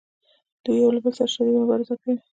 دوی یو له بل سره شدیده مبارزه کوي